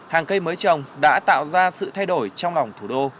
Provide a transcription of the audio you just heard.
hàng cây mới trồng đã tạo ra sự thay đổi trong lòng thủ đô